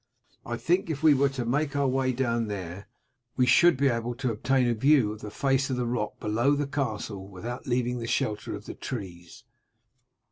I think if we were to make our way down there we should be able to obtain a view of the face of the rock below the castle without leaving the shelter of the trees."